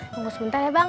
tunggu sebentar ya bang